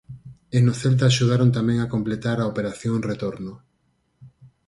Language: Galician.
E no Celta axudaron tamén a completar a Operación Retorno.